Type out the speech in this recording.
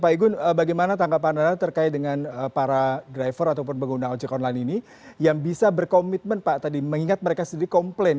pak igun bagaimana tanggapan anda terkait dengan para driver ataupun pengguna ojek online ini yang bisa berkomitmen pak tadi mengingat mereka sendiri komplain